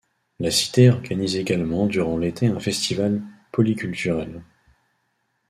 La cité organise également durant l'été un festival polyculturel.